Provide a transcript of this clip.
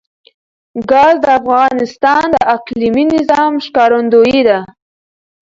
ګاز د افغانستان د اقلیمي نظام ښکارندوی ده.